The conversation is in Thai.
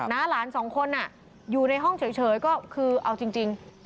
หลานสองคนอยู่ในห้องเฉยก็คือเอาจริง